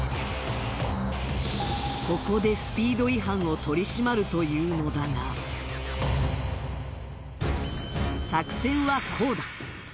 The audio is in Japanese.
ここでスピード違反を取り締まるというのだが作戦はこうだ